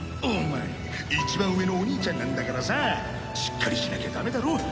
お前一番上のお兄ちゃんなんだからさしっかりしなきゃダメだろ。